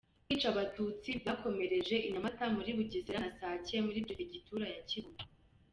Kwica Abatutsi byakomereje i Nyamata muri Bugesera na Sake muri Perefegitura ya Kibungo.